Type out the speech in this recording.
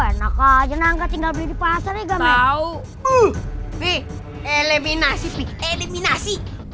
cuaca enak aja nangga tinggal di pasar enggak mau enthusiastic eliminasi